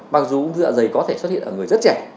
mặc dù ung thư ở dây có thể xuất hiện ở người rất trẻ